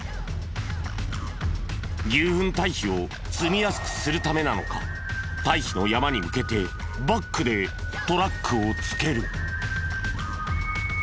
牛ふん堆肥を積みやすくするためなのか堆肥の山に向けてバックでトラックをつける。